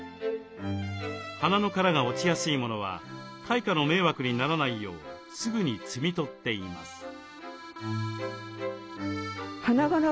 花の殻が落ちやすいものは階下の迷惑にならないようすぐに摘み取っています。